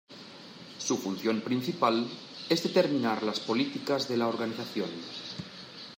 Su función principal es determinar las políticas de la Organización.